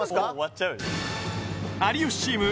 有吉チーム